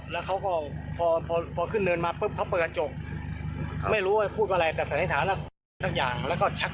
แล้วก็เพื่อจะปัดหน้าเขา